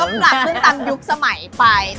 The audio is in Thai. ก็กลับขึ้นตั้งยุคสมัยไป